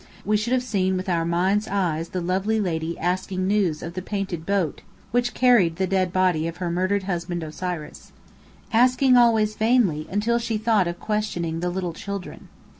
We should have seen with our minds' eyes the lovely lady asking news of the painted boat which carried the dead body of her murdered husband Osiris, asking always vainly, until she thought of questioning the little children.